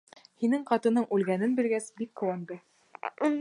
Һинең ҡатының үлгәнен белгәс, бик ҡыуанды.